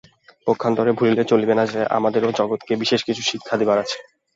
পক্ষান্তরে ভুলিলে চলিবে না যে, আমাদেরও জগৎকে বিশেষ কিছু শিক্ষা দিবার আছে।